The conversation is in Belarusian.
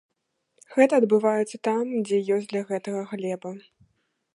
Гэта адбываецца там, дзе ёсць для гэтага глеба.